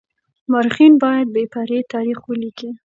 مورخين بايد بې پرې تاريخ وليکي.